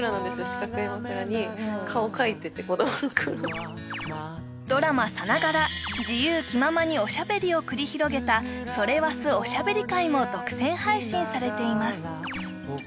四角い枕に顔描いてて子供の頃ドラマさながら自由気ままにおしゃべりを繰り広げた「それわすおしゃべり会」も独占配信されています